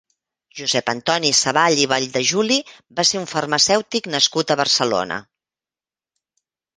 Josep Antoni Savall i Valldejuli va ser un farmacèutic nascut a Barcelona.